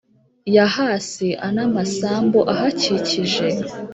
Yahasi a n amasambu ahakikije